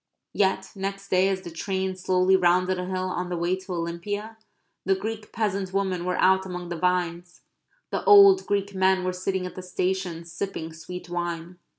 Yet next day, as the train slowly rounded a hill on the way to Olympia, the Greek peasant women were out among the vines; the old Greek men were sitting at the stations, sipping sweet wine.